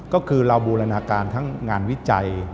ก็คือเราบูรณาการทั้งงานวิจัย